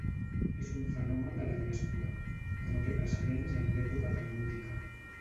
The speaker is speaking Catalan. És un fenomen de la diàspora, que no té precedents en l'època talmúdica.